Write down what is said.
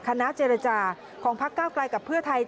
คณะเจรจาของพักเก้าไกลกับเพื่อไทย